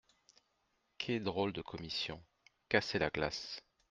Qué drôle de commission ! casser la glace !